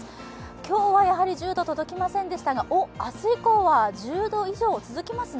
今日はやはり１０度届きませんでしたが明日以降は１０度以上続きますね。